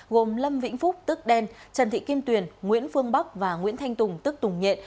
gồm lâm vĩnh phúc tức đen trần thị kim tuyền nguyễn phương bắc và nguyễn thanh tùng tức tùng nhện